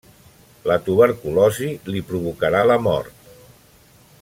La tuberculosi li provocarà la mort.